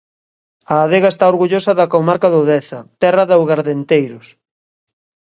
A adega está orgullosa da comarca do Deza, terra de augardenteiros.